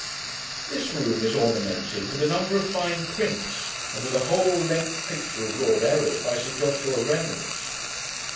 This room is ornamented with a number of fine prints, and with a whole length picture of Lord Errol, by Sir Joshua Reynolds.